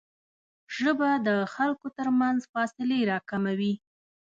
ژبه د خلکو ترمنځ فاصلې راکموي